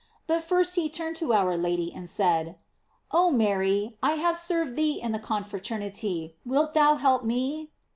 But first he turned to our Lady and said: "Oh Mary, I have served thee in the confraternity, wilt thou help me